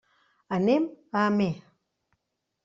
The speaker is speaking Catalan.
Anem a Amer.